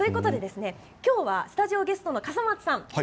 今日はスタジオゲストの笠松さん